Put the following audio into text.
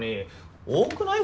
多くない？